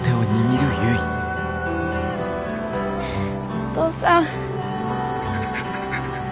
お父さん。